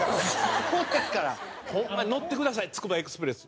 こうですから！ホンマに乗ってくださいつくばエクスプレス。